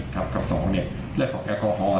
และแถบสองเหลือของแอลกอฮอล์